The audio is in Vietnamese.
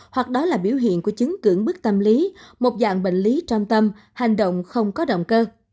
hoặc đó là biểu hiện của chứng cưỡng bức tâm lý một dạng bệnh lý trong tâm hành động không có động cơ